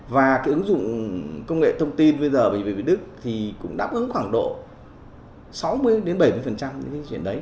và ứng dụng công nghệ thông tin bệnh viện việt đức cũng đáp ứng khoảng độ sáu mươi bảy mươi những chuyện đấy